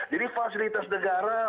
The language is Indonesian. jadi fasilitas negara